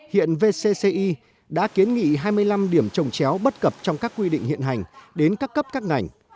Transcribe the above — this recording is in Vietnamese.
hiện vcci đã kiến nghị hai mươi năm điểm trồng chéo bất cập trong các quy định hiện hành đến các cấp các ngành